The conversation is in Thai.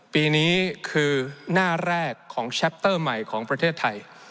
ปีนี้คือหน้าแรกของแชปเตอร์ใหม่ของประเทศไทย